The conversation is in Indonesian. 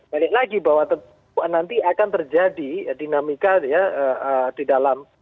balik lagi bahwa nanti akan terjadi dinamika ya di dalam